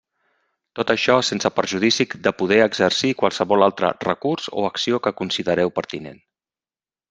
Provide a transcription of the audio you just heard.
Tot això sense perjudici de poder exercir qualsevol altre recurs o acció que considereu pertinent.